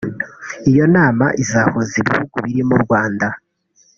Iyo nama izahuza ibihugu birimo u Rwanda